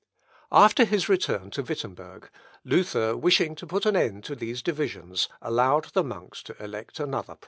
" After his return to Wittemberg, Luther, wishing to put an end to these divisions allowed the monks to elect another prior.